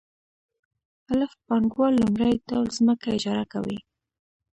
الف پانګوال لومړی ډول ځمکه اجاره کوي